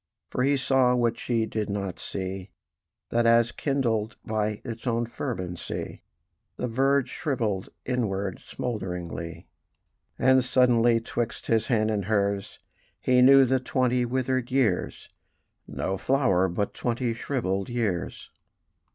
For he saw what she did not see, That as kindled by its own fervency The verge shrivelled inward smoulderingly: And suddenly 'twixt his hand and hers He knew the twenty withered years No flower, but twenty shrivelled years.